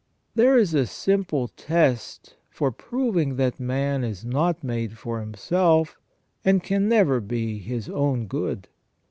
There is a very simple test for proving that man is not made for himself, and can never be his own good.